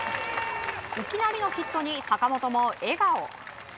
いきなりのヒットに坂本も笑顔。